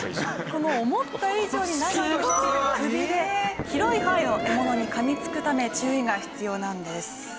この思った以上に長く伸びる首で広い範囲の獲物に噛みつくため注意が必要なんです。